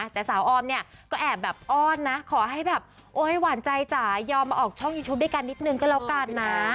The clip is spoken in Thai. แต่สาวออมเนี่ยก็แอบแบบอ้อนนะขอให้แบบโอ๊ยหวานใจจ๋ายอมมาออกช่องยูทูปด้วยกันนิดนึงก็แล้วกันนะ